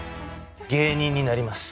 芸人になります。